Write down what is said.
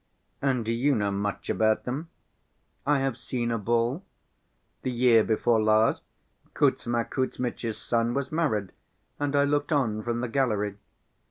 "And do you know much about them?" "I have seen a ball. The year before last, Kuzma Kuzmitch's son was married and I looked on from the gallery.